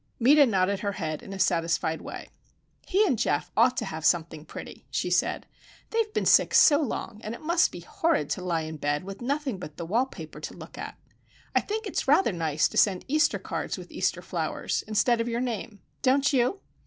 Meta nodded her head in a satisfied way. "He and Geof ought to have something pretty," she said. "They have been sick so long, and it must be horrid to lie in bed with nothing but the wallpaper to look at. I think it's rather nice to send Easter cards with Easter flowers, instead of your name, don't you?"